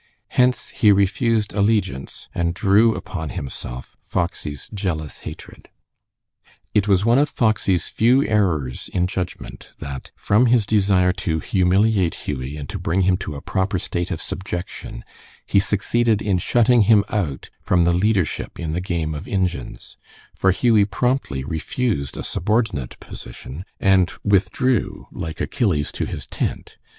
Hence he refused allegiance, and drew upon himself Foxy's jealous hatred. It was one of Foxy's few errors in judgment that, from his desire to humiliate Hughie and to bring him to a proper state of subjection, he succeeded in shutting him out from the leadership in the game of "Injuns," for Hughie promptly refused a subordinate position and withdrew, like Achilles, to his tent.